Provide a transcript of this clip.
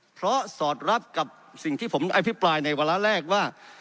เพราะสอดรับกับสิ่งที่ผมอภิปรายในวาระแรกว่า